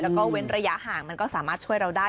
แล้วก็เว้นระยะห่างมันก็สามารถช่วยเราได้